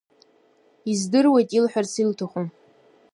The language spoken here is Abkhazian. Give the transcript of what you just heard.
Издыруеит илҳәарц илҭаху…